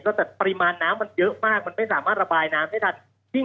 แล้วแต่ปริมาณน้ำมันเยอะมากมันไม่สามารถระบายน้ำได้ทัน